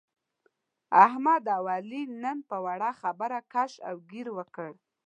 احمد او علي نن په وړه خبره کش او ګیر وکړ.